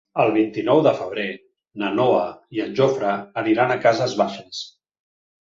El vint-i-nou de febrer na Noa i en Jofre aniran a Cases Baixes.